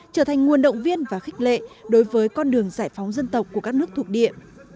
trở thành nguồn động viên và khích lệ đối với con đường giải phóng dân tộc của các nước thuộc địa